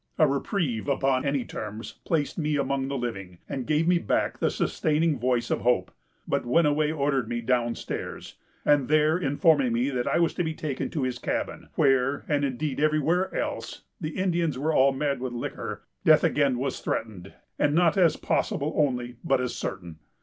"A reprieve, upon any terms, placed me among the living, and gave me back the sustaining voice of hope; but Wenniway ordered me downstairs, and there informing me that I was to be taken to his cabin, where, and indeed everywhere else, the Indians were all mad with liquor, death again was threatened, and not as possible only, but as certain.